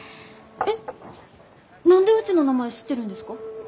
えっ何でうちの名前知ってるんですか？